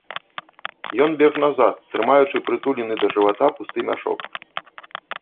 Ён бег назад, трымаючы прытулены да жывата пусты мяшок.